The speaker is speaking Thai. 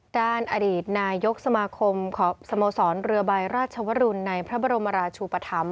ด้านอดีตนายกสมาคมสโมสรเรือใบราชวรุณในพระบรมราชูปธรรม